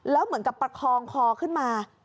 แล้วเหมือนกับประคองคอขึ้นมา